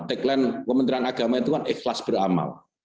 tagline kementerian agama itu kan ikhlas beramal